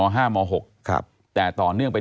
ตั้งแต่ปี๒๕๓๙๒๕๔๘